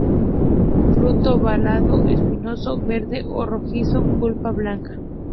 Fruto ovalado, espinoso, verde a rojizo, pulpa blanca.